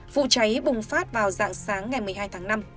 vụ cháy bùng phát vào dạng sáng ngày một mươi hai tháng năm